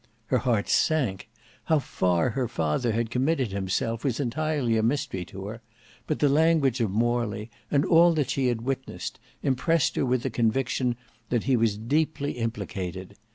Her heart sank. How far her father had committed himself was entirely a mystery to her; but the language of Morley, and all that she had witnessed, impressed her with the conviction that he was deeply implicated.